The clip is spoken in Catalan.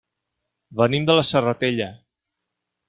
Venim de la Serratella.